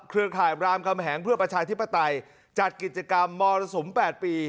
ข่ายรามคำแหงเพื่อประชาธิปไตยจัดกิจกรรมมรสุม๘ปี